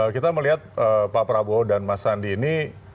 kita melihat pak prabowo dan mas sandi ini